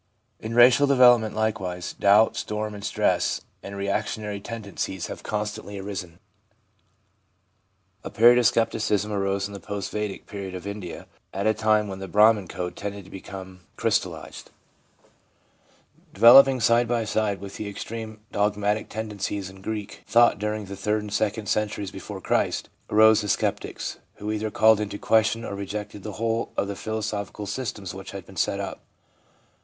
In racial develop ment likewise, doubt, storm and stress and reaction ary tendencies have constantly arisen. A period of scepticism arose in the post Vedic period of India at a time when the Brahman code tended to become 4 oo THE PSYCHOLOGY OF RELIGION crystallised. Developing side by side with the extreme dogmatic tendencies in Greek thought during the third and second centuries before Christ, arose the sceptics, who either called into question or rejected the whole of the philosophical systems which had been set up.